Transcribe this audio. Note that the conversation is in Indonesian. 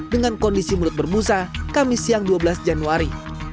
dengan kondisi mulut bermusa kamis siang dua belas januari